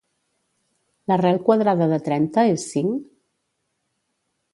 L'arrel quadrada de trenta és cinc?